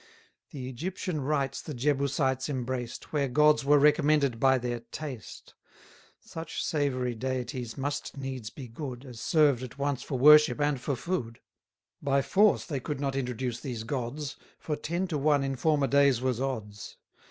The Egyptian rites the Jebusites embraced, Where gods were recommended by their taste. Such savoury deities must needs be good, 120 As served at once for worship and for food. By force they could not introduce these gods; For ten to one in former days was odds.